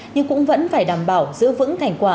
nhưng cũng vẫn phải đảm bảo giữ vững thành quả